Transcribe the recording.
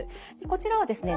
こちらはですね